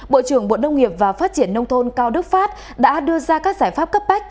bộ trưởng bộ nông nghiệp và phát triển nông thôn cao đức pháp đã đưa ra các giải pháp cấp bách